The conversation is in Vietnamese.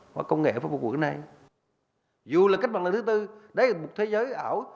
khoa học công nghệ phục vụ cái này dù là cách mạnh là thứ bốn đấy là một thế giới ảo